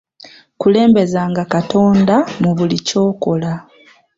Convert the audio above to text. Kulembezanga katonda mu buli ky'okola.